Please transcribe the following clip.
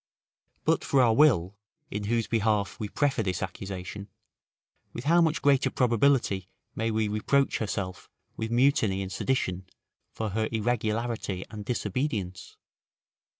But for our will, in whose behalf we prefer this accusation, with how much greater probability may we reproach herself with mutiny and sedition, for her irregularity and disobedience?